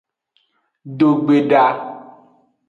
Dogbedaa.